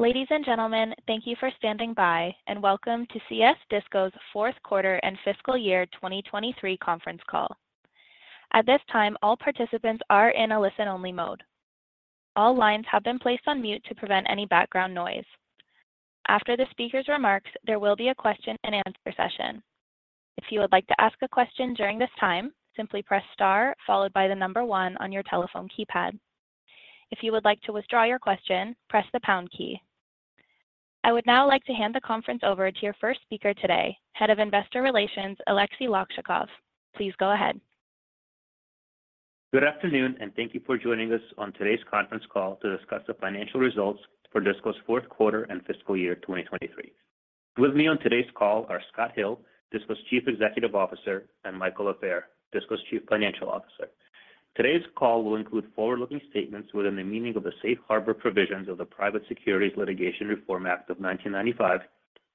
Ladies and gentlemen, thank you for standing by, and welcome to CS DISCO's fourth quarter and fiscal year 2023 conference call. At this time, all participants are in a listen-only mode. All lines have been placed on mute to prevent any background noise. After the speaker's remarks, there will be a question-and-answer session. If you would like to ask a question during this time, simply press star followed by the number 1 on your telephone keypad. If you would like to withdraw your question, press the pound key. I would now like to hand the conference over to your first speaker today, Head of Investor Relations, Aleksey Lakchakov. Please go ahead. Good afternoon, and thank you for joining us on today's conference call to discuss the financial results for DISCO's fourth quarter and fiscal year 2023. With me on today's call are Scott Hill, DISCO's Chief Executive Officer, and Michael Lafair, DISCO's Chief Financial Officer. Today's call will include forward-looking statements within the meaning of the Safe Harbor Provisions of the Private Securities Litigation Reform Act of 1995,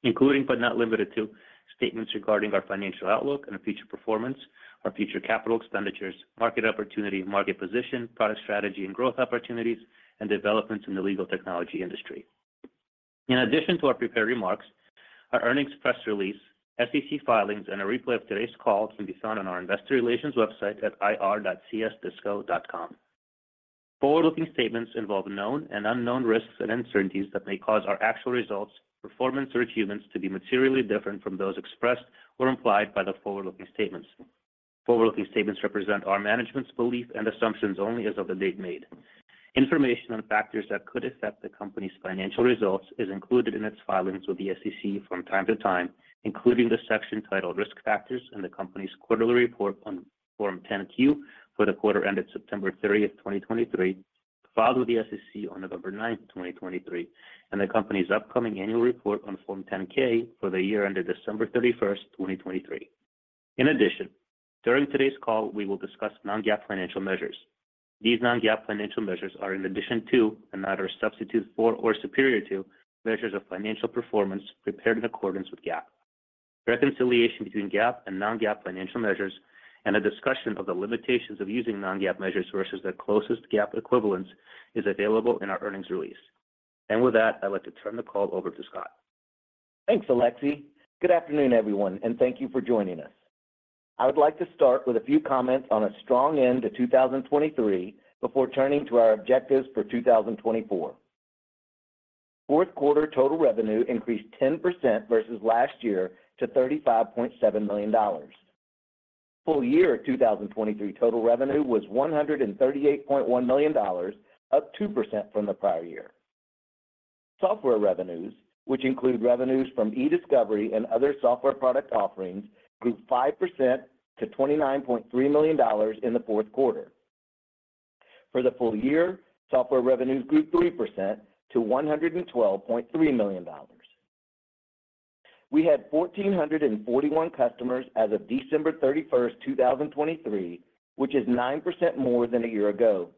including but not limited to, statements regarding our financial outlook and future performance, our future capital expenditures, market opportunity, market position, product strategy, and growth opportunities, and developments in the legal technology industry. In addition to our prepared remarks, our earnings press release, SEC filings, and a replay of today's call can be found on our investor relations website at ir.csdisco.com. Forward-looking statements involve known and unknown risks and uncertainties that may cause our actual results, performance, or achievements to be materially different from those expressed or implied by the forward-looking statements. Forward-looking statements represent our management's belief and assumptions only as of the date made. Information on factors that could affect the company's financial results is included in its filings with the SEC from time to time, including the section titled Risk Factors in the company's quarterly report on Form 10-Q for the quarter ended September 30, 2023, filed with the SEC on November 9, 2023, and the company's upcoming annual report on Form 10-K for the year ended December 31, 2023. In addition, during today's call, we will discuss non-GAAP financial measures. These non-GAAP financial measures are in addition to, and not a substitute for or superior to, measures of financial performance prepared in accordance with GAAP. Reconciliation between GAAP and non-GAAP financial measures and a discussion of the limitations of using non-GAAP measures versus the closest GAAP equivalents is available in our earnings release. With that, I'd like to turn the call over to Scott. Thanks, Aleksey. Good afternoon, everyone, and thank you for joining us. I would like to start with a few comments on a strong end to 2023 before turning to our objectives for 2024. Fourth quarter total revenue increased 10% versus last year to $35.7 million. Full year 2023 total revenue was $138.1 million, up 2% from the prior year. Software revenues, which include revenues from eDiscovery and other software product offerings, grew 5% to $29.3 million in the fourth quarter. For the full year, software revenues grew 3% to $112.3 million. We had 1,441 customers as of December 31, 2023, which is 9% more than a year ago.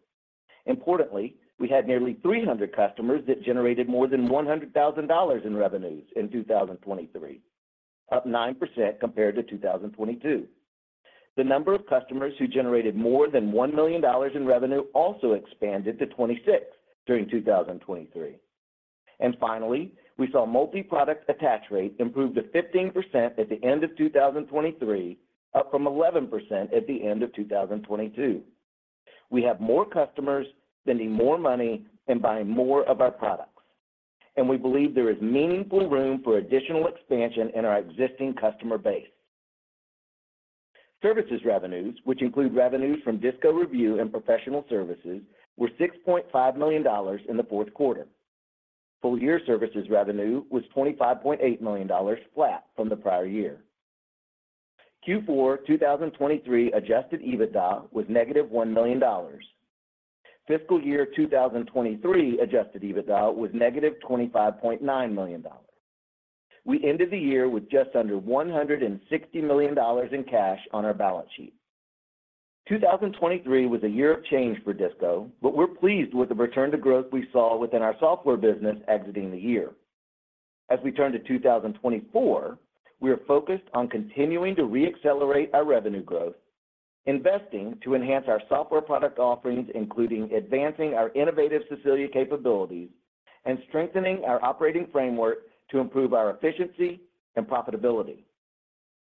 Importantly, we had nearly 300 customers that generated more than $100,000 in revenues in 2023, up 9% compared to 2022. The number of customers who generated more than $1 million in revenue also expanded to 26 during 2023. And finally, we saw multi-product attach rate improve to 15% at the end of 2023, up from 11% at the end of 2022. We have more customers spending more money and buying more of our products, and we believe there is meaningfully room for additional expansion in our existing customer base. Services revenues, which include revenues from DISCO Review and professional services, were $6.5 million in the fourth quarter. Full year services revenue was $25.8 million, flat from the prior year. Q4 2023 adjusted EBITDA was -$1 million. Fiscal year 2023 adjusted EBITDA was -$25.9 million. We ended the year with just under $160 million in cash on our balance sheet. 2023 was a year of change for DISCO, but we're pleased with the return to growth we saw within our software business exiting the year. As we turn to 2024, we are focused on continuing to re-accelerate our revenue growth, investing to enhance our software product offerings, including advancing our innovative Cecilia capabilities and strengthening our operating framework to improve our efficiency and profitability.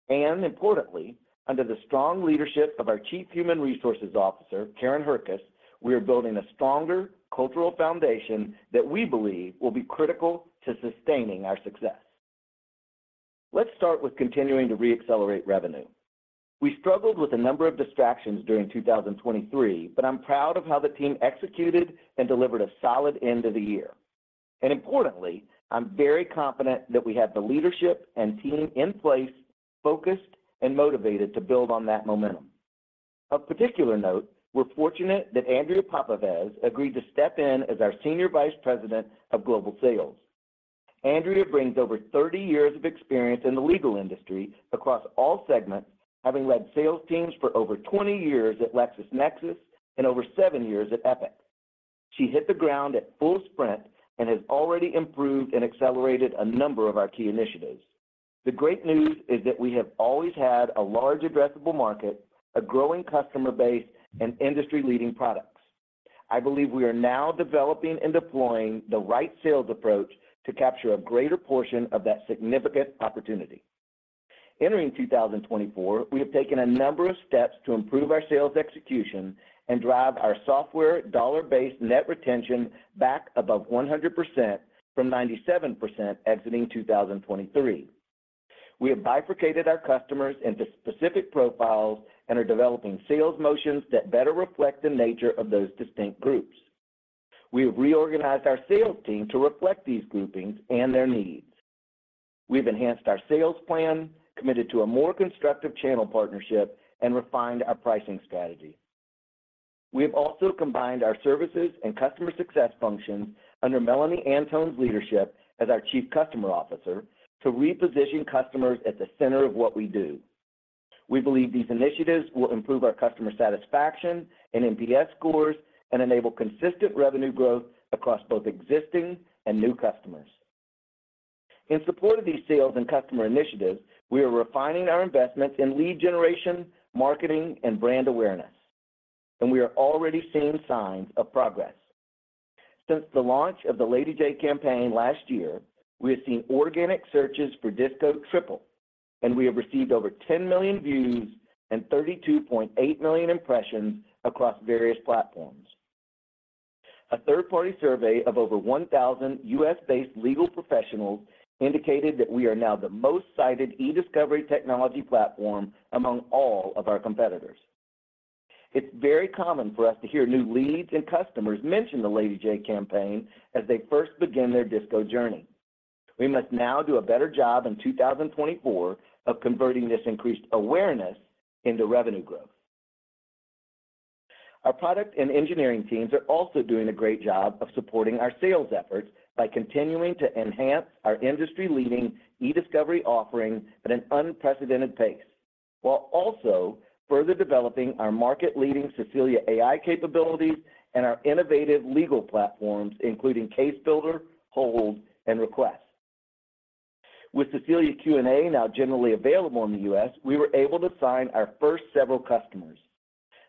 And importantly, under the strong leadership of our Chief Human Resources Officer, Karen Herckis, we are building a stronger cultural foundation that we believe will be critical to sustaining our success. Let's start with continuing to re-accelerate revenue. We struggled with a number of distractions during 2023, but I'm proud of how the team executed and delivered a solid end to the year. Importantly, I'm very confident that we have the leadership and team in place, focused and motivated to build on that momentum. Of particular note, we're fortunate that Andrea Popovecz agreed to step in as our Senior Vice President of Global Sales. Andrea brings over 30 years of experience in the legal industry across all segments, having led sales teams for over 20 years at LexisNexis and over seven years at Epiq. She hit the ground at full sprint and has already improved and accelerated a number of our key initiatives.... The great news is that we have always had a large addressable market, a growing customer base, and industry-leading products. I believe we are now developing and deploying the right sales approach to capture a greater portion of that significant opportunity. Entering 2024, we have taken a number of steps to improve our sales execution and drive our software dollar-based net retention back above 100% from 97% exiting 2023. We have bifurcated our customers into specific profiles and are developing sales motions that better reflect the nature of those distinct groups. We have reorganized our sales team to reflect these groupings and their needs. We've enhanced our sales plan, committed to a more constructive channel partnership, and refined our pricing strategy. We have also combined our services and customer success functions under Melanie Antoon's leadership as our Chief Customer Officer, to reposition customers at the center of what we do. We believe these initiatives will improve our customer satisfaction and NPS scores and enable consistent revenue growth across both existing and new customers. In support of these sales and customer initiatives, we are refining our investments in lead generation, marketing, and brand awareness, and we are already seeing signs of progress. Since the launch of the Lady J campaign last year, we have seen organic searches for DISCO triple, and we have received over 10 million views and 32.8 million impressions across various platforms. A third-party survey of over 1,000 U.S.-based legal professionals indicated that we are now the most cited e-discovery technology platform among all of our competitors. It's very common for us to hear new leads and customers mention the Lady J campaign as they first begin their DISCO journey. We must now do a better job in 2024 of converting this increased awareness into revenue growth. Our product and engineering teams are also doing a great job of supporting our sales efforts by continuing to enhance our industry-leading eDiscovery offerings at an unprecedented pace, while also further developing our market-leading Cecilia AI capabilities and our innovative legal platforms, including Case Builder, Hold, and Request. With Cecilia Q&A now generally available in the US, we were able to sign our first several customers.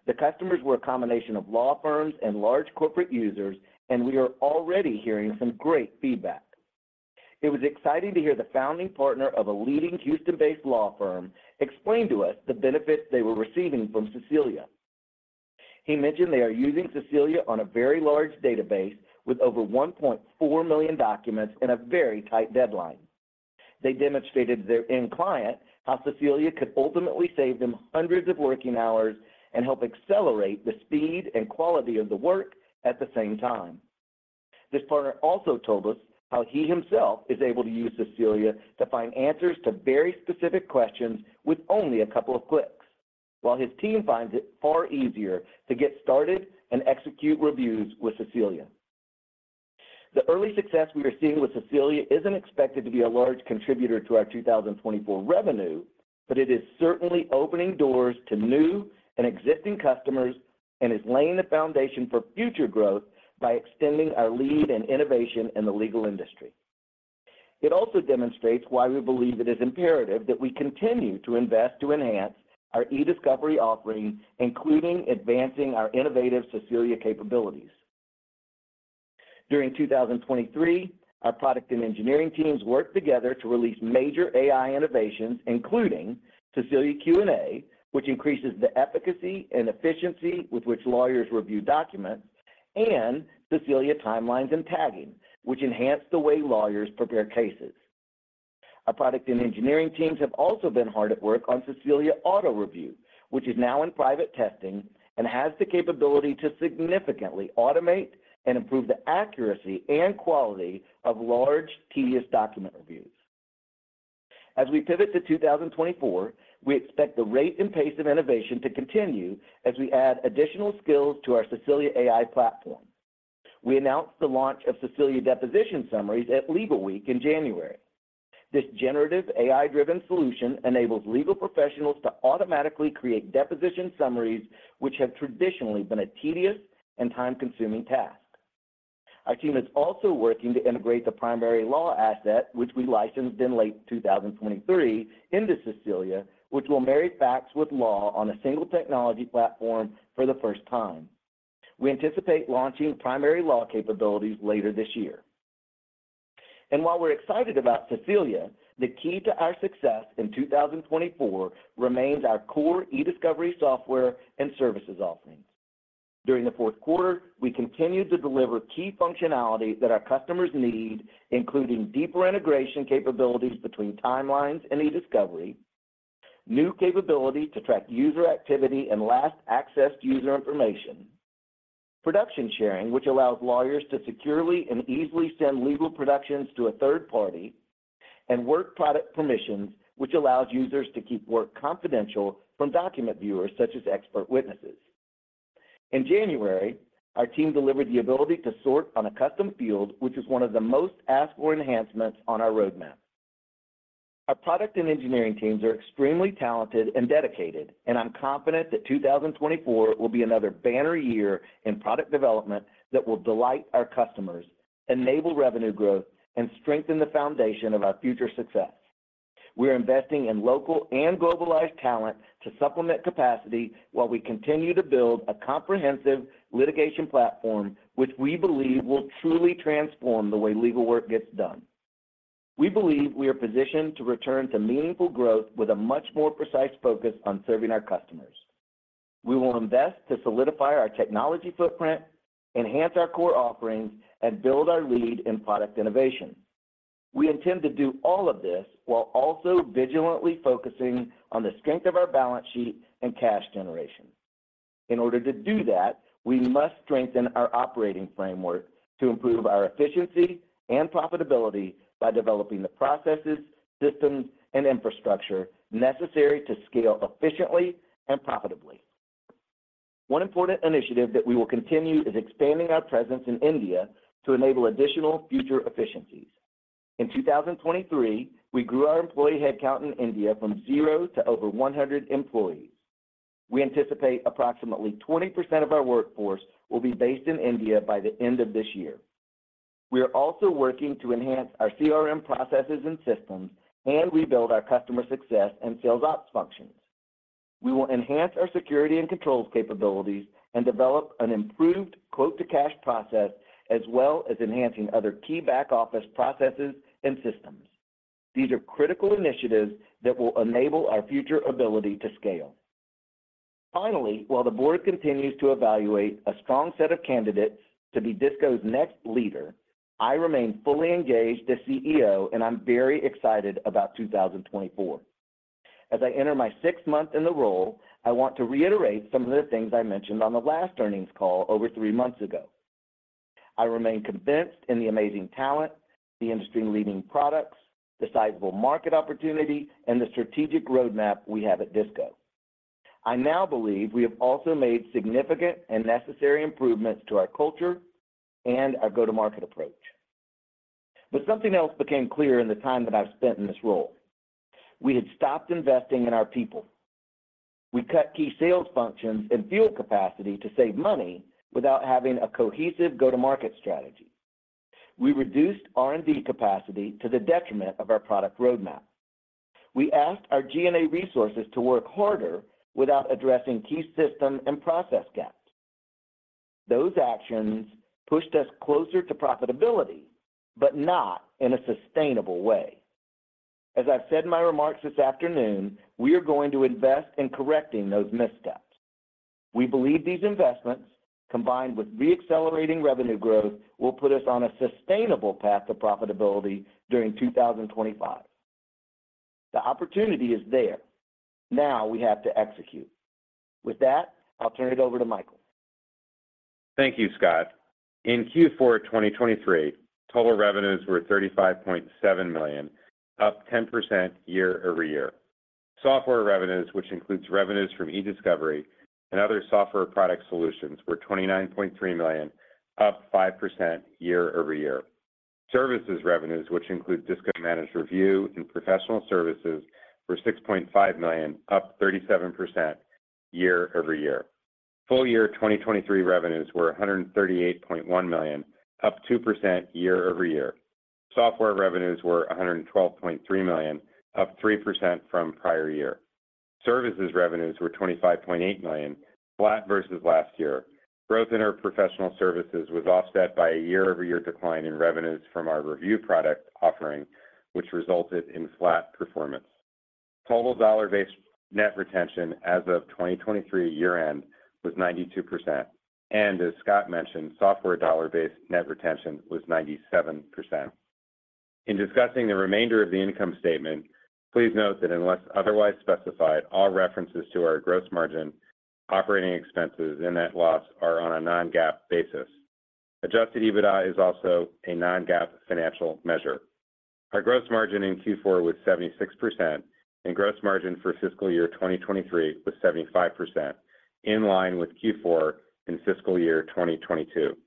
The customers were a combination of law firms and large corporate users, and we are already hearing some great feedback. It was exciting to hear the founding partner of a leading Houston-based law firm explain to us the benefits they were receiving from Cecilia. He mentioned they are using Cecilia on a very large database with over 1.4 million documents and a very tight deadline. They demonstrated their in-client, how Cecilia could ultimately save them hundreds of working hours and help accelerate the speed and quality of the work at the same time. This partner also told us how he himself is able to use Cecilia to find answers to very specific questions with only a couple of clicks, while his team finds it far easier to get started and execute reviews with Cecilia. The early success we are seeing with Cecilia isn't expected to be a large contributor to our 2024 revenue, but it is certainly opening doors to new and existing customers and is laying the foundation for future growth by extending our lead and innovation in the legal industry. It also demonstrates why we believe it is imperative that we continue to invest to enhance our eDiscovery offerings, including advancing our innovative Cecilia capabilities. During 2023, our product and engineering teams worked together to release major AI innovations, including Cecilia Q&A, which increases the efficacy and efficiency with which lawyers review documents, and Cecilia Timelines and Tagging, which enhance the way lawyers prepare cases. Our product and engineering teams have also been hard at work on Cecilia Auto Review, which is now in private testing and has the capability to significantly automate and improve the accuracy and quality of large, tedious document reviews. As we pivot to 2024, we expect the rate and pace of innovation to continue as we add additional skills to our Cecilia AI platform. We announced the launch of Cecilia Deposition Summaries at Legalweek in January. This generative AI-driven solution enables legal professionals to automatically create deposition summaries, which have traditionally been a tedious and time-consuming task. Our team is also working to integrate the primary law asset, which we licensed in late 2023, into Cecilia, which will marry facts with law on a single technology platform for the first time. We anticipate launching primary law capabilities later this year. And while we're excited about Cecilia, the key to our success in 2024 remains our core eDiscovery, software, and services offerings. During the fourth quarter, we continued to deliver key functionality that our customers need, including deeper integration capabilities between timelines and eDiscovery, new capability to track user activity and last accessed user information, production sharing, which allows lawyers to securely and easily send legal productions to a third party, and work product permissions, which allows users to keep work confidential from document viewers such as expert witnesses. In January, our team delivered the ability to sort on a custom field, which is one of the most asked-for enhancements on our roadmap. Our product and engineering teams are extremely talented and dedicated, and I'm confident that 2024 will be another banner year in product development that will delight our customers, enable revenue growth, and strengthen the foundation of our future success.... We are investing in local and globalized talent to supplement capacity, while we continue to build a comprehensive litigation platform, which we believe will truly transform the way legal work gets done. We believe we are positioned to return to meaningful growth with a much more precise focus on serving our customers. We will invest to solidify our technology footprint, enhance our core offerings, and build our lead in product innovation. We intend to do all of this while also vigilantly focusing on the strength of our balance sheet and cash generation. In order to do that, we must strengthen our operating framework to improve our efficiency and profitability by developing the processes, systems, and infrastructure necessary to scale efficiently and profitably. One important initiative that we will continue is expanding our presence in India to enable additional future efficiencies. In 2023, we grew our employee headcount in India from 0 to over 100 employees. We anticipate approximately 20% of our workforce will be based in India by the end of this year. We are also working to enhance our CRM processes and systems and rebuild our customer success and sales ops functions. We will enhance our security and controls capabilities and develop an improved quote-to-cash process, as well as enhancing other key back office processes and systems. These are critical initiatives that will enable our future ability to scale. Finally, while the board continues to evaluate a strong set of candidates to be DISCO's next leader, I remain fully engaged as CEO, and I'm very excited about 2024. As I enter my sixth month in the role, I want to reiterate some of the things I mentioned on the last earnings call over three months ago. I remain convinced in the amazing talent, the industry-leading products, the sizable market opportunity, and the strategic roadmap we have at DISCO. I now believe we have also made significant and necessary improvements to our culture and our go-to-market approach. But something else became clear in the time that I've spent in this role. We had stopped investing in our people. We cut key sales functions and field capacity to save money without having a cohesive go-to-market strategy. We reduced R&D capacity to the detriment of our product roadmap. We asked our G&A resources to work harder without addressing key system and process gaps. Those actions pushed us closer to profitability, but not in a sustainable way. As I've said in my remarks this afternoon, we are going to invest in correcting those missteps. We believe these investments, combined with re-accelerating revenue growth, will put us on a sustainable path to profitability during 2025. The opportunity is there. Now, we have to execute. With that, I'll turn it over to Michael. Thank you, Scott. In Q4 of 2023, total revenues were $35.7 million, up 10% year-over-year. Software revenues, which includes revenues from eDiscovery and other software product solutions, were $29.3 million, up 5% year-over-year. Services revenues, which include DISCO Managed Review and professional services, were $6.5 million, up 37% year-over-year. Full year 2023 revenues were $138.1 million, up 2% year-over-year. Software revenues were $112.3 million, up 3% from prior year. Services revenues were $25.8 million, flat versus last year. Growth in our professional services was offset by a year-over-year decline in revenues from our review product offering, which resulted in flat performance. Total dollar-based net retention as of 2023 year-end was 92%, and as Scott mentioned, software dollar-based net retention was 97%. In discussing the remainder of the income statement, please note that unless otherwise specified, all references to our gross margin, operating expenses, and net loss are on a non-GAAP basis. Adjusted EBITDA is also a non-GAAP financial measure. Our gross margin in Q4 was 76%, and gross margin for fiscal year 2023 was 75%, in line with Q4 in fiscal year 2022.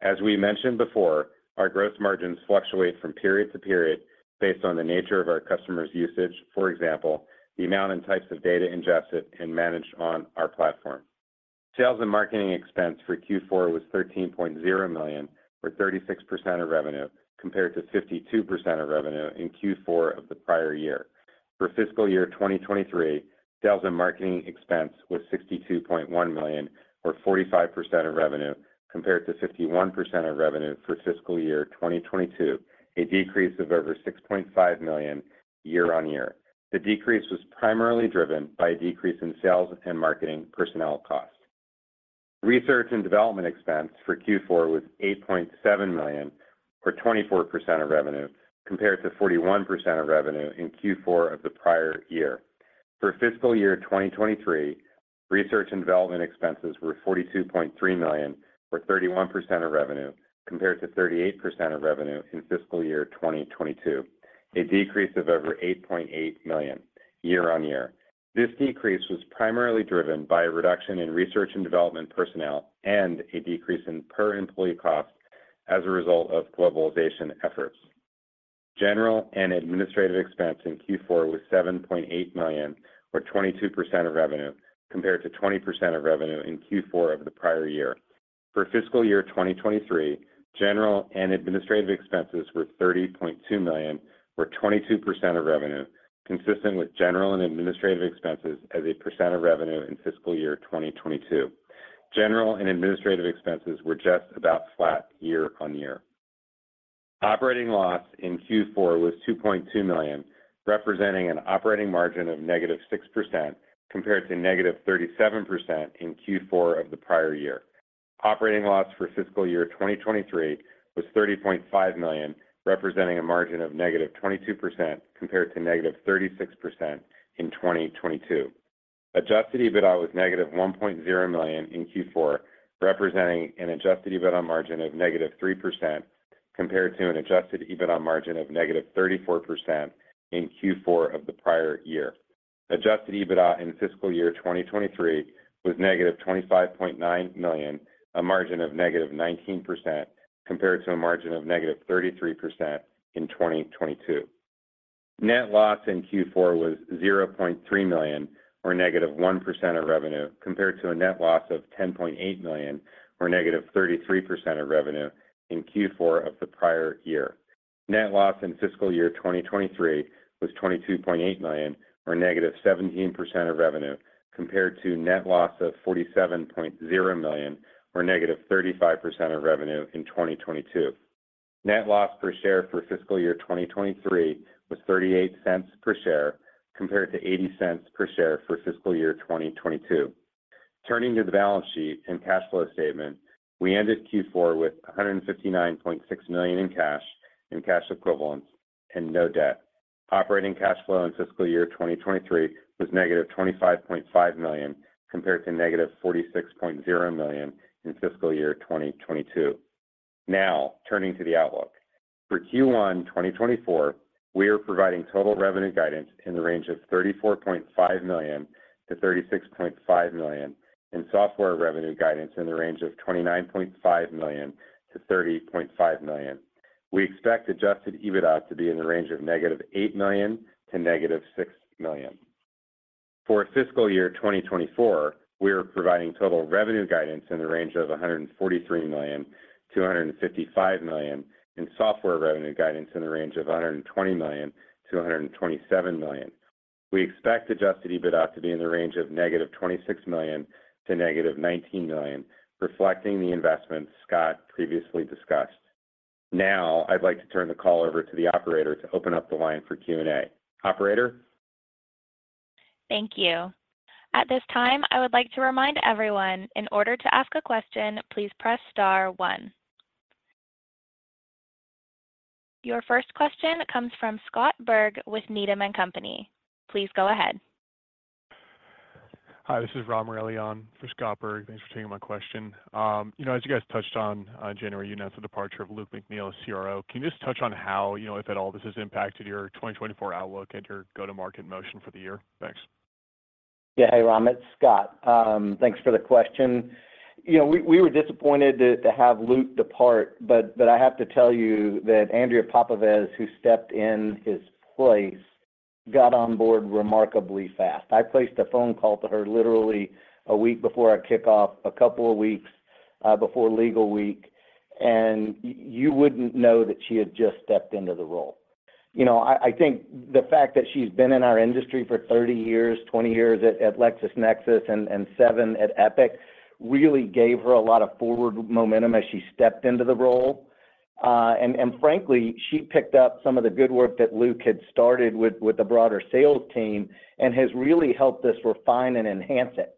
As we mentioned before, our gross margins fluctuate from period to period based on the nature of our customers' usage, for example, the amount and types of data ingested and managed on our platform. Sales and marketing expense for Q4 was $13.0 million, or 36% of revenue, compared to 52% of revenue in Q4 of the prior year. For fiscal year 2023, sales and marketing expense was $62.1 million, or 45% of revenue, compared to 51% of revenue for fiscal year 2022, a decrease of over $6.5 million year-on-year. The decrease was primarily driven by a decrease in sales and marketing personnel costs. Research and development expense for Q4 was $8.7 million, or 24% of revenue, compared to 41% of revenue in Q4 of the prior year. For fiscal year 2023, research and development expenses were $42.3 million, or 31% of revenue, compared to 38% of revenue in fiscal year 2022, a decrease of over $8.8 million year-on-year. This decrease was primarily driven by a reduction in research and development personnel and a decrease in per employee cost as a result of globalization efforts. General and administrative expense in Q4 was $7.8 million, or 22% of revenue, compared to 20% of revenue in Q4 of the prior year. For fiscal year 2023, general and administrative expenses were $30.2 million, or 22% of revenue, consistent with general and administrative expenses as a percent of revenue in fiscal year 2022. General and administrative expenses were just about flat year-on-year. Operating loss in Q4 was $2.2 million, representing an operating margin of -6% compared to -37% in Q4 of the prior year. Operating loss for fiscal year 2023 was $30.5 million, representing a margin of -22%, compared to -36% in 2022. Adjusted EBITDA was -$1.0 million in Q4, representing an adjusted EBITDA margin of -3%, compared to an adjusted EBITDA margin of -34% in Q4 of the prior year. Adjusted EBITDA in fiscal year 2023 was -$25.9 million, a margin of -19%, compared to a margin of -33% in 2022. Net loss in Q4 was $0.3 million, or -1% of revenue, compared to a net loss of $10.8 million, or -33% of revenue in Q4 of the prior year. Net loss in fiscal year 2023 was $22.8 million, or -17% of revenue, compared to net loss of $47.0 million, or -35% of revenue in 2022. Net loss per share for fiscal year 2023 was -$0.38 per share, compared to -$0.80 per share for fiscal year 2022. Turning to the balance sheet and cash flow statement, we ended Q4 with $159.6 million in cash and cash equivalents and no debt. Operating cash flow in fiscal year 2023 was negative $25.5 million, compared to -$46.0 million in fiscal year 2022. Now, turning to the outlook. For Q1 2024, we are providing total revenue guidance in the range of $34.5 million-$36.5 million, and software revenue guidance in the range of $29.5 million-$30.5 million. We expect Adjusted EBITDA to be in the range of negative $8 million-negative $6 million. For fiscal year 2024, we are providing total revenue guidance in the range of $143 million-$155 million, and software revenue guidance in the range of $120 million-$127 million. We expect Adjusted EBITDA to be in the range of -$26 million-$19 million, reflecting the investments Scott previously discussed. Now, I'd like to turn the call over to the operator to open up the line for Q&A. Operator? Thank you. At this time, I would like to remind everyone, in order to ask a question, please press star one. Your first question comes from Scott Berg with Needham & Company. Please go ahead. Hi, this is Rob Morelli for Scott Berg. Thanks for taking my question. You know, as you guys touched on, on January, you announced the departure of Luke McNeal, CRO. Can you just touch on how, you know, if at all, this has impacted your 2024 outlook and your go-to-market motion for the year? Thanks. Yeah. Hey, Rob, it's Scott. Thanks for the question. You know, we were disappointed to have Luke depart, but I have to tell you that Andrea Popovecz, who stepped in his place, got on board remarkably fast. I placed a phone call to her literally a week before our kickoff, a couple of weeks before legal week, and you wouldn't know that she had just stepped into the role. You know, I think the fact that she's been in our industry for 30 years, 20 years at LexisNexis and 7 at Epiq, really gave her a lot of forward momentum as she stepped into the role. And frankly, she picked up some of the good work that Luke had started with the broader sales team and has really helped us refine and enhance it.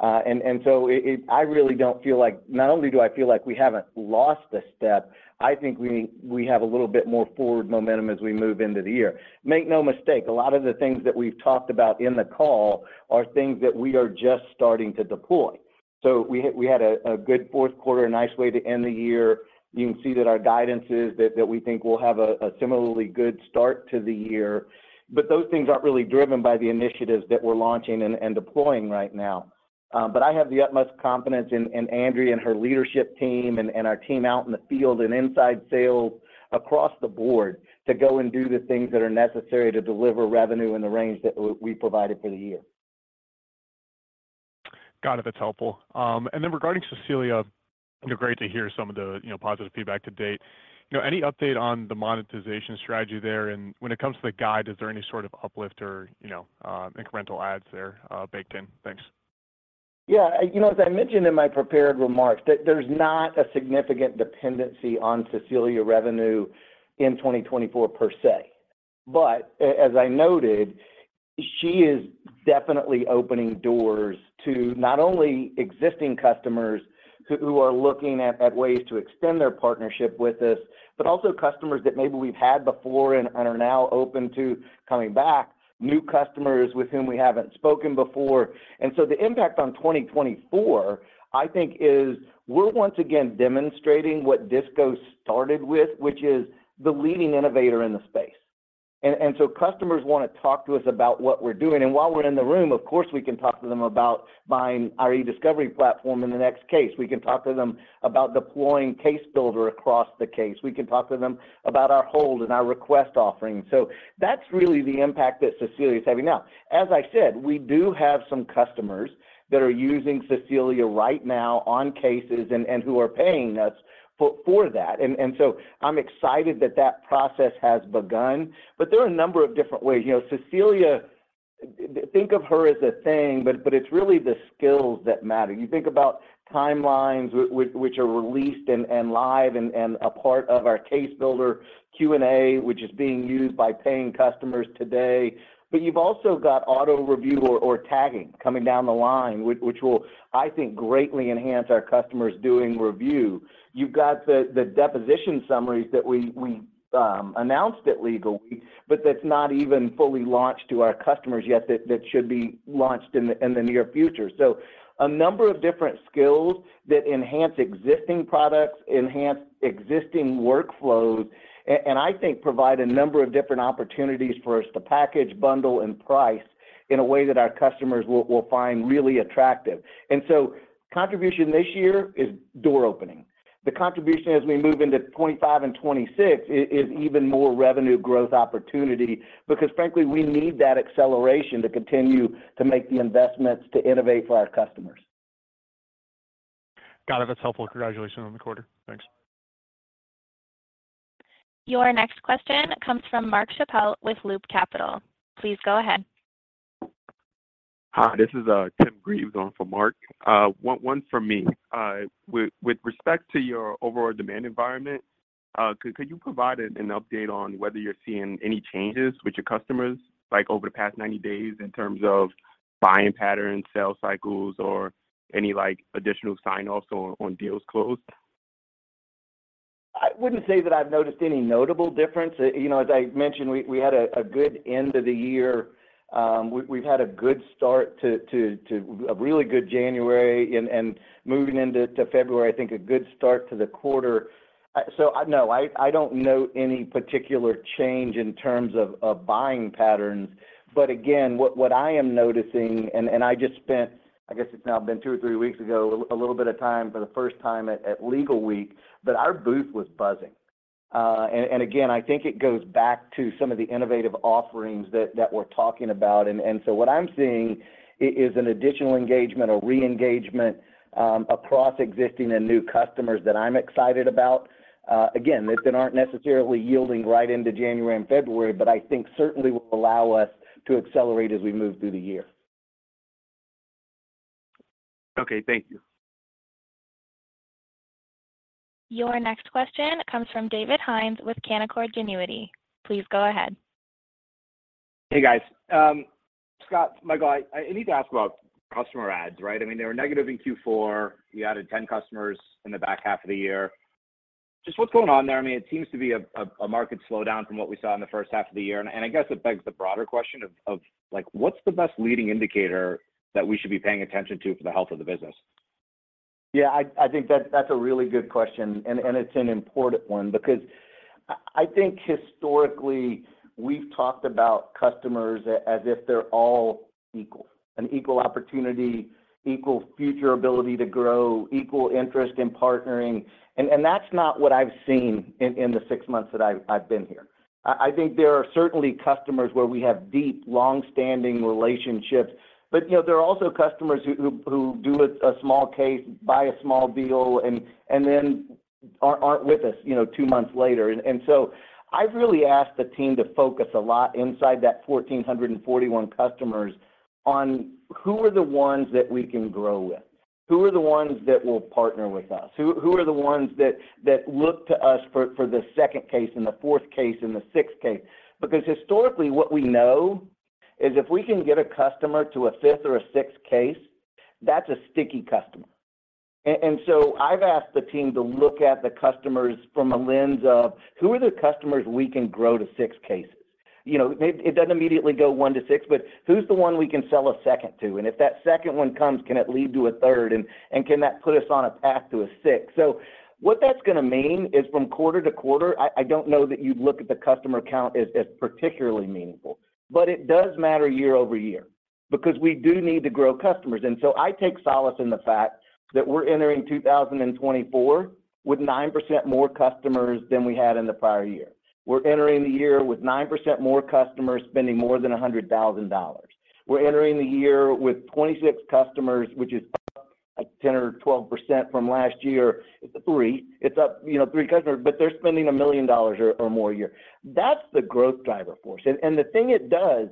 I really don't feel like, not only do I feel like we haven't lost a step, I think we have a little bit more forward momentum as we move into the year. Make no mistake, a lot of the things that we've talked about in the call are things that we are just starting to deploy. So we had a good fourth quarter, a nice way to end the year. You can see that our guidance is that we think we'll have a similarly good start to the year, but those things aren't really driven by the initiatives that we're launching and deploying right now. But I have the utmost confidence in Andrea and her leadership team and our team out in the field and inside sales across the board to go and do the things that are necessary to deliver revenue in the range that we provided for the year. Got it, that's helpful. And then regarding Cecilia, you know, great to hear some of the, you know, positive feedback to date. You know, any update on the monetization strategy there? And when it comes to the guide, is there any sort of uplift or, you know, incremental adds there, baked in? Thanks. Yeah, you know, as I mentioned in my prepared remarks, that there's not a significant dependency on Cecilia revenue in 2024 per se. But as I noted, she is definitely opening doors to not only existing customers who are looking at ways to extend their partnership with us, but also customers that maybe we've had before and are now open to coming back, new customers with whom we haven't spoken before. And so the impact on 2024, I think, is we're once again demonstrating what DISCO started with, which is the leading innovator in the space-... And so customers wanna talk to us about what we're doing, and while we're in the room, of course, we can talk to them about buying our eDiscovery platform in the next case. We can talk to them about deploying Case Builder across the case. We can talk to them about our Hold and our Request offering. So that's really the impact that Cecilia is having. Now, as I said, we do have some customers that are using Cecilia right now on cases and who are paying us for that. And so I'm excited that that process has begun, but there are a number of different ways. You know, Cecilia, think of her as a thing, but it's really the skills that matter. You think about timelines, which are released and live and a part of our Case Builder Q&A, which is being used by paying customers today. But you've also got Auto Review or tagging coming down the line, which will, I think, greatly enhance our customers doing review. You've got the deposition summaries that we announced at Legal Week, but that's not even fully launched to our customers yet, that should be launched in the near future. So a number of different skills that enhance existing products, enhance existing workflows, and I think provide a number of different opportunities for us to package, bundle, and price in a way that our customers will find really attractive. And so contribution this year is door-opening. The contribution as we move into 2025 and 2026 is even more revenue growth opportunity, because frankly, we need that acceleration to continue to make the investments to innovate for our customers. Got it. That's helpful. Congratulations on the quarter. Thanks. Your next question comes from Mark Shappel with Loop Capital. Please go ahead. Hi, this is Tim Greaves on for Mark. One for me. With respect to your overall demand environment, could you provide an update on whether you're seeing any changes with your customers, like over the past 90 days, in terms of buying patterns, sales cycles, or any like additional sign-offs on deals closed? I wouldn't say that I've noticed any notable difference. You know, as I mentioned, we had a good end of the year. We've had a good start to a really good January, and moving into February, I think a good start to the quarter. So, no, I don't note any particular change in terms of buying patterns. But again, what I am noticing, and I just spent, I guess it's now been two or three weeks ago, a little bit of time for the first time at Legal Week, but our booth was buzzing. And again, I think it goes back to some of the innovative offerings that we're talking about. So what I'm seeing is an additional engagement or re-engagement across existing and new customers that I'm excited about. Again, that aren't necessarily yielding right into January and February, but I think certainly will allow us to accelerate as we move through the year. Okay, thank you. Your next question comes from David Hynes with Canaccord Genuity. Please go ahead. Hey, guys. Scott, Michael, I need to ask about customer adds, right? I mean, they were negative in Q4. You added 10 customers in the back half of the year. Just what's going on there? I mean, it seems to be a market slowdown from what we saw in the first half of the year, and I guess it begs the broader question of, like, what's the best leading indicator that we should be paying attention to for the health of the business? Yeah, I think that's a really good question, and it's an important one because I think historically, we've talked about customers as if they're all equal, an equal opportunity, equal future ability to grow, equal interest in partnering, and that's not what I've seen in the six months that I've been here. I think there are certainly customers where we have deep, long-standing relationships, but you know, there are also customers who do a small case, buy a small deal, and then aren't with us, you know, two months later. And so I've really asked the team to focus a lot inside that 1,441 customers on who are the ones that we can grow with? Who are the ones that will partner with us? Who are the ones that look to us for the second case and the fourth case and the sixth case? Because historically, what we know is if we can get a customer to a fifth or a sixth case, that's a sticky customer. And so I've asked the team to look at the customers from a lens of: who are the customers we can grow to six cases? You know, it doesn't immediately go one to six, but who's the one we can sell a second to? And if that second one comes, can it lead to a third, and can that put us on a path to a sixth? So what that's gonna mean is from quarter to quarter, I don't know that you'd look at the customer count as particularly meaningful, but it does matter year-over-year, because we do need to grow customers. And so I take solace in the fact that we're entering 2024 with 9% more customers than we had in the prior year. We're entering the year with 9% more customers spending more than $100,000. We're entering the year with 26 customers, which is up, like, 10% or 12% from last year. It's up, you know, 3 customers, but they're spending $1 million or more a year. That's the growth driver for us. The thing it does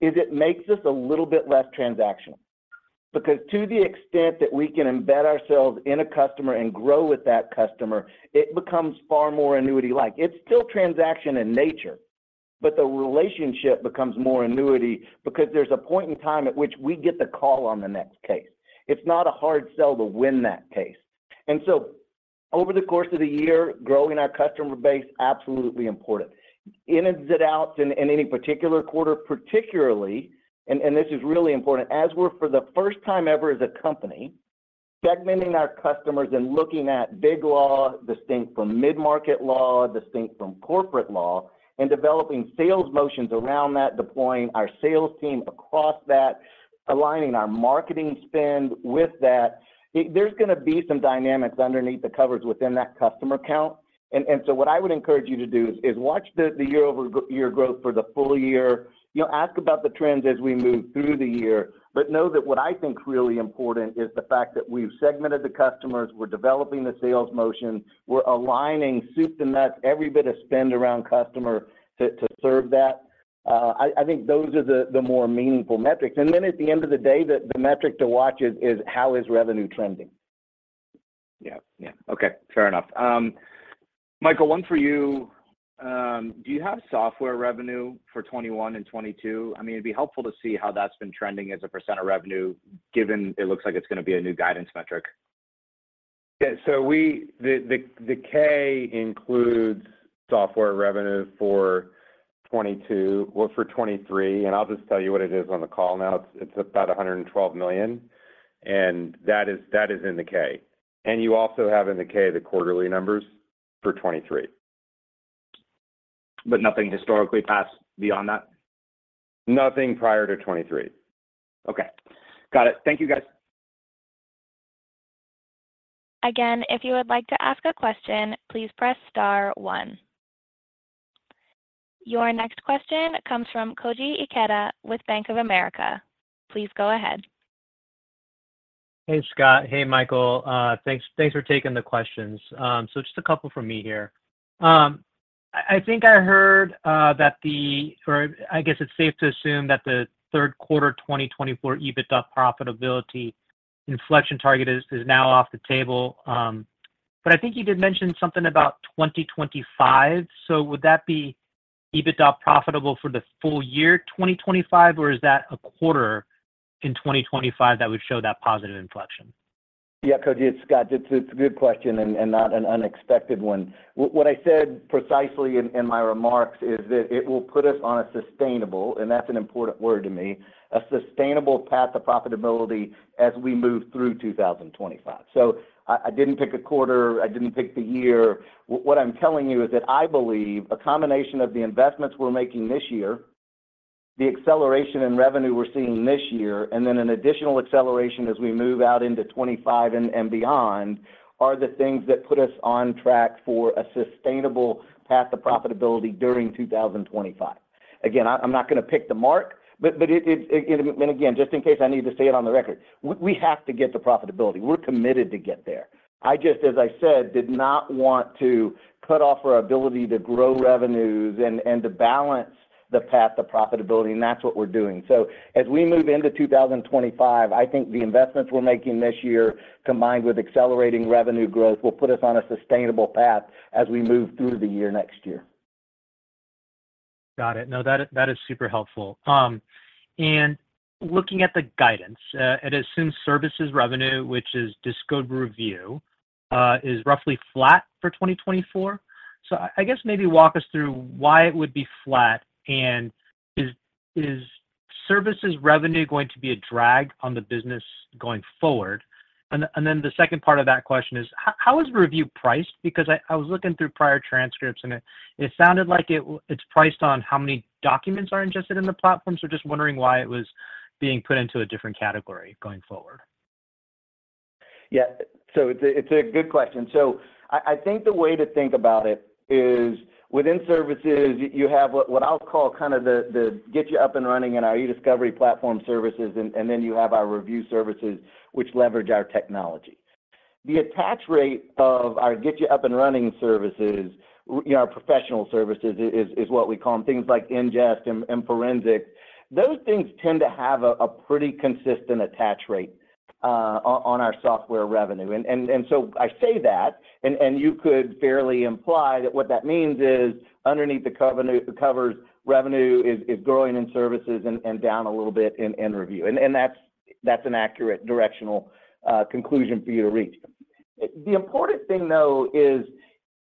is it makes us a little bit less transactional, because to the extent that we can embed ourselves in a customer and grow with that customer, it becomes far more annuity-like. It's still transaction in nature, but the relationship becomes more annuity because there's a point in time at which we get the call on the next case. It's not a hard sell to win that case. And so over the course of the year, growing our customer base, absolutely important. Ins and outs in any particular quarter, particularly, and this is really important, as we're for the first time ever as a company-... Segmenting our customers and looking at big law, distinct from mid-market law, distinct from corporate law, and developing sales motions around that, deploying our sales team across that, aligning our marketing spend with that, there's going to be some dynamics underneath the covers within that customer count. And so what I would encourage you to do is watch the year-over-year growth for the full year. You'll ask about the trends as we move through the year, but know that what I think really important is the fact that we've segmented the customers, we're developing the sales motion, we're aligning soup to nuts, every bit of spend around customer to serve that. I think those are the more meaningful metrics. And then at the end of the day, the metric to watch is how is revenue trending? Yeah. Yeah. Okay, fair enough. Michael, one for you. Do you have software revenue for 2021 and 2022? I mean, it'd be helpful to see how that's been trending as a % of revenue, given it looks like it's going to be a new guidance metric. Yeah. So the K includes software revenue for 2022—well, for 2023, and I'll just tell you what it is on the call now. It's about $112 million, and that is in the K. And you also have in the K the quarterly numbers for 2023. But nothing historically past, beyond that? Nothing prior to 2023. Okay. Got it. Thank you, guys. Again, if you would like to ask a question, please press star one. Your next question comes from Koji Ikeda with Bank of America. Please go ahead. Hey, Scott. Hey, Michael. Thanks, thanks for taking the questions. So just a couple from me here. I think I heard that the or I guess it's safe to assume that the third quarter 2024 EBITDA profitability inflection target is now off the table. But I think you did mention something about 2025. So would that be EBITDA profitable for the full year, 2025, or is that a quarter in 2025 that would show that positive inflection? Yeah, Koji, it's Scott. It's a good question and not an unexpected one. What I said precisely in my remarks is that it will put us on a sustainable, and that's an important word to me, sustainable path to profitability as we move through 2025. So I didn't pick a quarter, I didn't pick the year. What I'm telling you is that I believe a combination of the investments we're making this year, the acceleration in revenue we're seeing this year, and then an additional acceleration as we move out into 25 and beyond, are the things that put us on track for a sustainable path to profitability during 2025. Again, I'm not going to pick the mark, but it, and again, just in case I need to say it on the record, we have to get to profitability. We're committed to get there. I just, as I said, did not want to cut off our ability to grow revenues and to balance the path to profitability, and that's what we're doing. So as we move into 2025, I think the investments we're making this year, combined with accelerating revenue growth, will put us on a sustainable path as we move through the year next year. Got it. No, that, that is super helpful. And looking at the guidance, it assumes services revenue, which is DISCO Review, is roughly flat for 2024. So I, I guess maybe walk us through why it would be flat, and is, is services revenue going to be a drag on the business going forward? And, and then the second part of that question is, how is the review priced? Because I, I was looking through prior transcripts and it, it sounded like it's priced on how many documents are ingested in the platform. So just wondering why it was being put into a different category going forward. Yeah. So it's a good question. So I think the way to think about it is within services, you have what I'll call kind of the get you up and running in our eDiscovery platform services, and then you have our review services, which leverage our technology. The attach rate of our get you up and running services, you know, our professional services is what we call them, things like ingest and forensics. Those things tend to have a pretty consistent attach rate on our software revenue. And so I say that, and you could fairly imply that what that means is underneath the covers, revenue is growing in services and down a little bit in review. And that's an accurate directional conclusion for you to reach. The important thing, though, is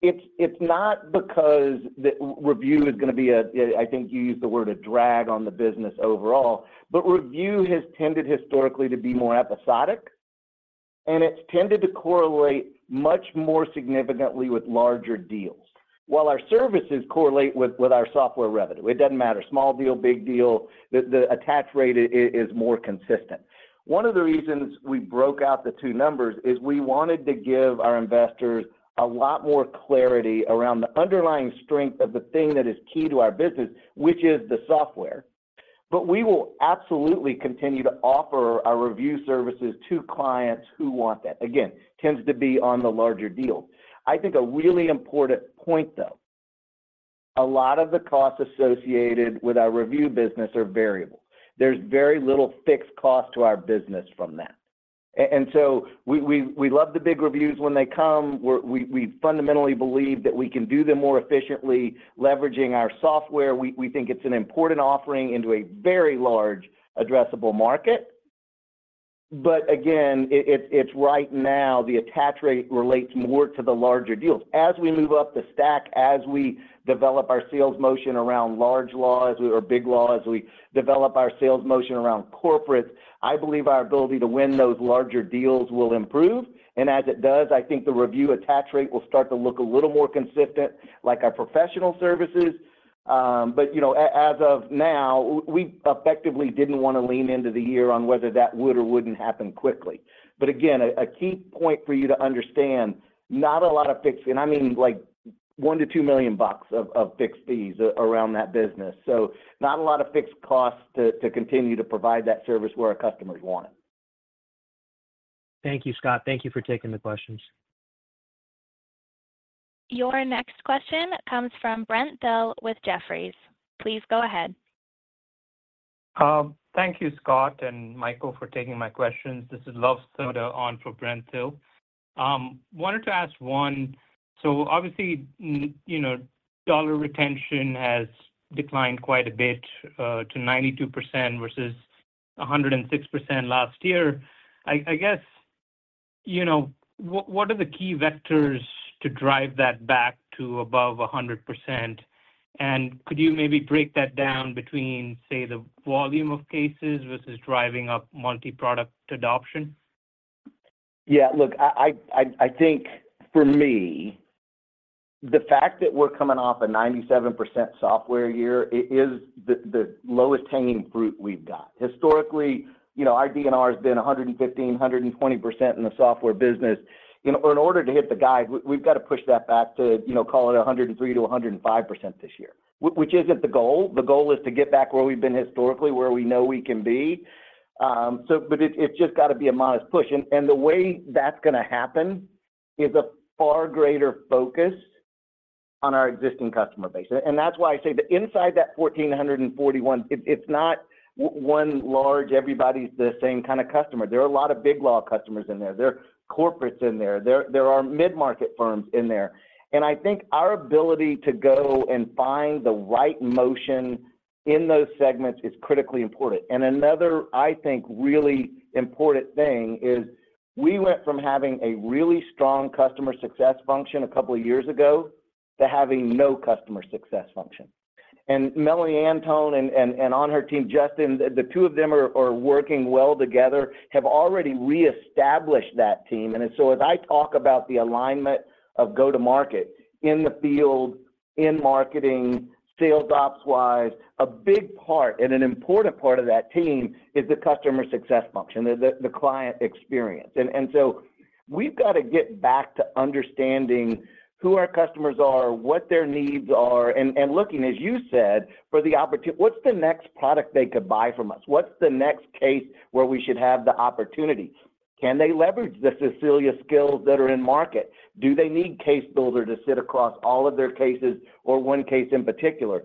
it's not because the review is going to be a, I think you used the word, a drag on the business overall, but review has tended historically to be more episodic, and it's tended to correlate much more significantly with larger deals. While our services correlate with our software revenue, it doesn't matter. Small deal, big deal, the attach rate is more consistent. One of the reasons we broke out the two numbers is we wanted to give our investors a lot more clarity around the underlying strength of the thing that is key to our business, which is the software. But we will absolutely continue to offer our review services to clients who want that. Again, tends to be on the larger deal. I think a really important point, though, a lot of the costs associated with our review business are variable. There's very little fixed cost to our business from that. And so we love the big reviews when they come. We fundamentally believe that we can do them more efficiently, leveraging our software. We think it's an important offering into a very large addressable market. But again, it's right now, the attach rate relates more to the larger deals. As we move up the stack, as we develop our sales motion around large law, or big law, as we develop our sales motion around corporate, I believe our ability to win those larger deals will improve. And as it does, I think the review attach rate will start to look a little more consistent, like our professional services. But, you know, as of now, we effectively didn't want to lean into the year on whether that would or wouldn't happen quickly. But again, a key point for you to understand, not a lot of fixed, and I mean, like, $1 million-$2 million of fixed fees around that business. So not a lot of fixed costs to continue to provide that service where our customers want it. Thank you, Scott. Thank you for taking the questions. Your next question comes from Brent Thill with Jefferies. Please go ahead. Thank you, Scott and Michael, for taking my questions. This is Luv Sodha on for Brent Thill. Wanted to ask one. So obviously, you know, dollar retention has declined quite a bit to 92% versus 106% last year. I guess, you know, what are the key vectors to drive that back to above 100%? And could you maybe break that down between, say, the volume of cases versus driving up multi-product adoption? Yeah, look, I think for me, the fact that we're coming off a 97% software year, it is the lowest hanging fruit we've got. Historically, you know, our DNR has been 115-120% in the software business. You know, in order to hit the guide, we've got to push that back to, you know, call it 103%-105% this year, which isn't the goal. The goal is to get back where we've been historically, where we know we can be. But it's just got to be a modest push. And the way that's going to happen is a far greater focus on our existing customer base. And that's why I say that inside that 1,441, it's not one large, everybody's the same kind of customer. There are a lot of big law customers in there. There are corporates in there. There are mid-market firms in there. And I think our ability to go and find the right motion in those segments is critically important. And another, I think, really important thing is we went from having a really strong customer success function a couple of years ago to having no customer success function. And Melanie Antoon and on her team, Justin, the two of them are working well together, have already reestablished that team. And so as I talk about the alignment of go-to-market in the field, in marketing, sales ops-wise, a big part and an important part of that team is the customer success function, the client experience. And so we've got to get back to understanding who our customers are, what their needs are, and looking, as you said, for the opportunities. What's the next product they could buy from us? What's the next case where we should have the opportunity? Can they leverage the Cecilia skills that are in market? Do they need Case Builder to sit across all of their cases or one case in particular?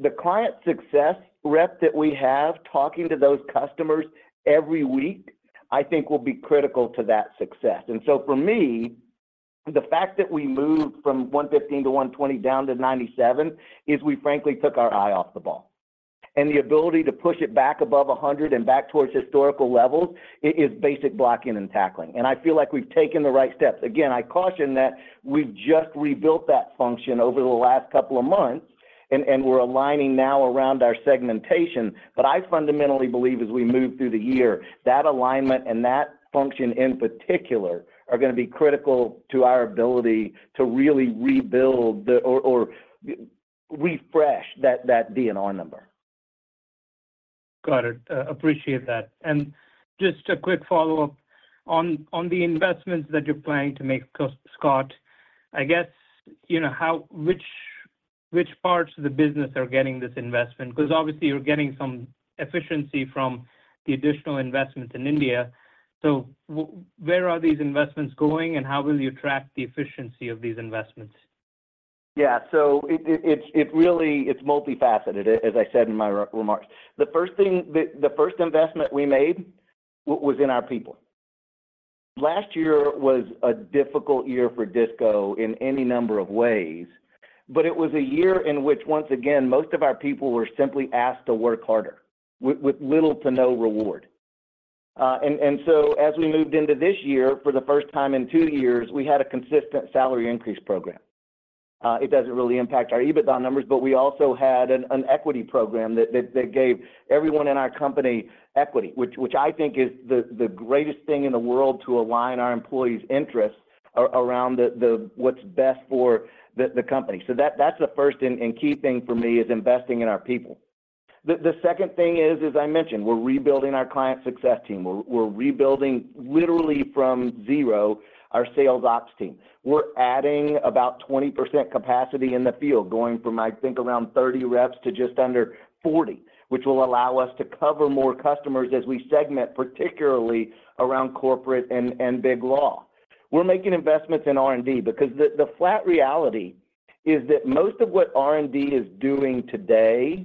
The client success rep that we have talking to those customers every week, I think will be critical to that success. And so for me, the fact that we moved from 115-120 down to 97, is we frankly took our eye off the ball. And the ability to push it back above 100 and back towards historical levels, it is basic blocking and tackling, and I feel like we've taken the right steps. Again, I caution that we've just rebuilt that function over the last couple of months, and we're aligning now around our segmentation. But I fundamentally believe as we move through the year, that alignment and that function in particular, are going to be critical to our ability to really rebuild or refresh that DNR number. Got it. Appreciate that. And just a quick follow-up. On the investments that you're planning to make, Scott, I guess, you know, which parts of the business are getting this investment? Because obviously, you're getting some efficiency from the additional investments in India. So where are these investments going, and how will you track the efficiency of these investments? Yeah. So it's really multifaceted, as I said in my remarks. The first thing, the first investment we made was in our people. Last year was a difficult year for DISCO in any number of ways, but it was a year in which, once again, most of our people were simply asked to work harder with little to no reward. And so as we moved into this year, for the first time in two years, we had a consistent salary increase program. It doesn't really impact our EBITDA numbers, but we also had an equity program that gave everyone in our company equity, which I think is the greatest thing in the world to align our employees' interests around what's best for the company. So that's the first and key thing for me, is investing in our people. The second thing is, as I mentioned, we're rebuilding our client success team. We're rebuilding, literally from zero, our sales ops team. We're adding about 20% capacity in the field, going from, I think, around 30 reps to just under 40, which will allow us to cover more customers as we segment, particularly around corporate and big law. We're making investments in R&D because the flat reality is that most of what R&D is doing today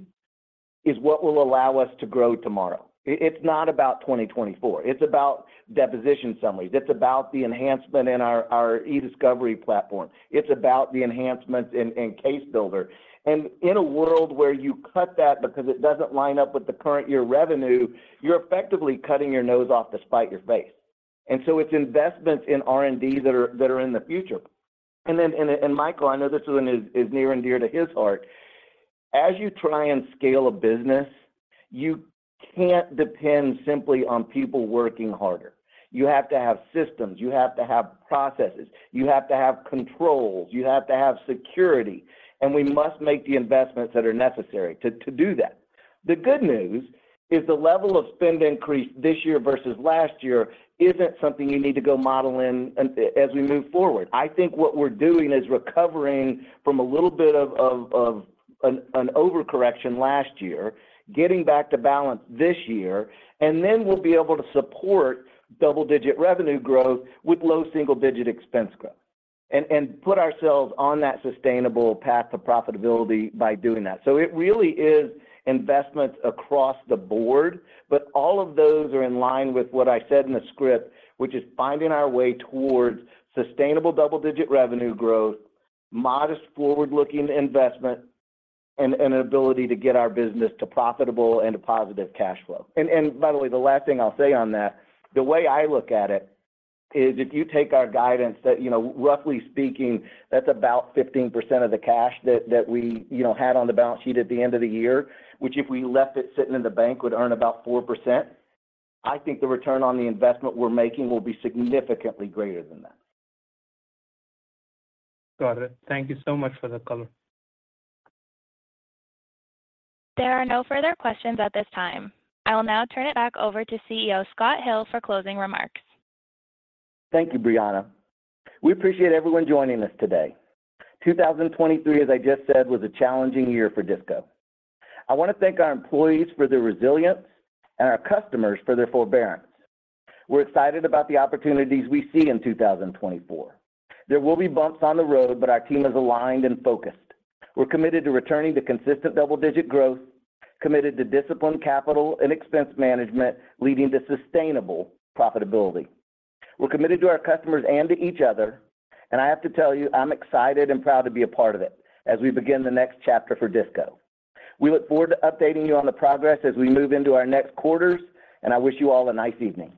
is what will allow us to grow tomorrow. It's not about 2024, it's about deposition summaries, it's about the enhancement in our e-discovery platform. It's about the enhancements in Case Builder. In a world where you cut that because it doesn't line up with the current year revenue, you're effectively cutting your nose off to spite your face. And so it's investments in R&D that are in the future. And then, Michael, I know this one is near and dear to his heart. As you try and scale a business, you can't depend simply on people working harder. You have to have systems, you have to have processes, you have to have controls, you have to have security, and we must make the investments that are necessary to do that. The good news is the level of spend increase this year versus last year isn't something you need to go model in as we move forward. I think what we're doing is recovering from a little bit of an overcorrection last year, getting back to balance this year, and then we'll be able to support double-digit revenue growth with low single-digit expense growth, and put ourselves on that sustainable path to profitability by doing that. So it really is investments across the board, but all of those are in line with what I said in the script, which is finding our way towards sustainable double-digit revenue growth, modest forward-looking investment, and an ability to get our business to profitable and to positive cash flow. And by the way, the last thing I'll say on that, the way I look at it is if you take our guidance that, you know, roughly speaking, that's about 15% of the cash that we, you know, had on the balance sheet at the end of the year, which, if we left it sitting in the bank, would earn about 4%. I think the return on the investment we're making will be significantly greater than that. Got it. Thank you so much for the color. There are no further questions at this time. I will now turn it back over to CEO Scott Hill for closing remarks. Thank you, Brianna. We appreciate everyone joining us today. 2023, as I just said, was a challenging year for DISCO. I want to thank our employees for their resilience and our customers for their forbearance. We're excited about the opportunities we see in 2024. There will be bumps on the road, but our team is aligned and focused. We're committed to returning to consistent double-digit growth, committed to disciplined capital and expense management, leading to sustainable profitability. We're committed to our customers and to each other, and I have to tell you, I'm excited and proud to be a part of it as we begin the next chapter for DISCO. We look forward to updating you on the progress as we move into our next quarters, and I wish you all a nice evening.